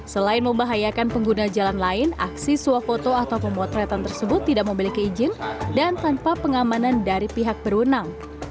selain membahayakan pengguna jalan lain aksi swafoto atau pemotretan tersebut tidak memiliki izin dan tanpa pengamanan dari pihak berwenang